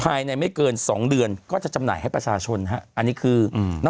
ไม่เกินสองเดือนก็จะจำหน่ายให้ประชาชนฮะอันนี้คืออืม